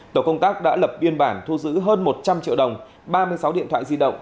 tổ công tác đã lập biên bản thu giữ hơn một trăm linh triệu đồng ba mươi sáu điện thoại di động